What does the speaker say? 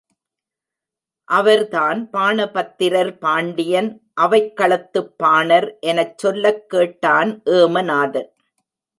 அவர்தான் பாணபத்திரர் பாண்டியன் அவைக்களத்துப் பாணர் எனச் சொல்லக் கேட்டான் ஏமநாதன்.